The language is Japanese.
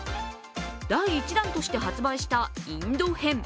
第１弾として発売したインド編。